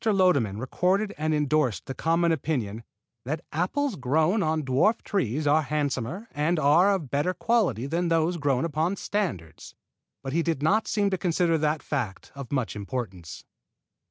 Lodeman recorded and endorsed the common opinion "that apples grown on dwarf trees are handsomer and of better quality than those grown upon standards"; but he did not seem to consider that fact of much importance.